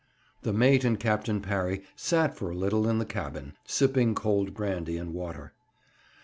The mate and Captain Parry sat for a little in the cabin, sipping cold brandy and water.